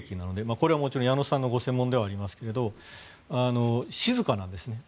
これはもちろん、矢野さんがご専門ではありますけれど静かなんですね。